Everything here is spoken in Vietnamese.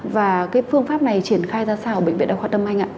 và cái phương pháp này triển khai ra sao ở bệnh viện đa khoa tâm anh ạ